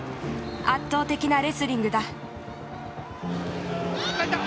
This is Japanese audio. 圧倒的なレスリングだ。